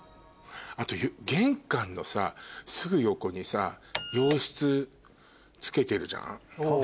あと玄関のさすぐ横にさ洋室つけてるじゃん。